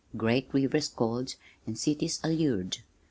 Great rivers called and cities allured.